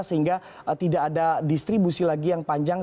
sehingga tidak ada distribusi lagi yang panjang